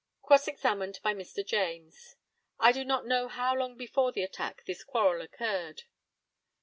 Cross examined by Mr. JAMES: I do not know how long before the attack this quarrel occurred.